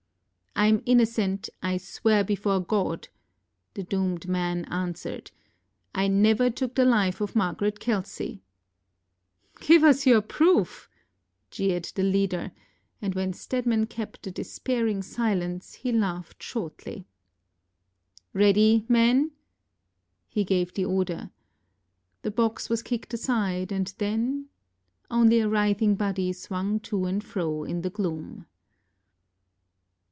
ŌĆØ ŌĆ£I am innocent, I swear before God, ŌĆØ the doomed man answered; ŌĆ£I never took the life of Margaret Kelsey.ŌĆØ ŌĆ£Give us your proof, ŌĆØ jeered the leader, and when Stedman kept a despairing silence, he laughed shortly. ŌĆ£Ready, men! ŌĆØ he gave the order. The box was kicked aside, and then only a writhing body swung to and fro in the gloom.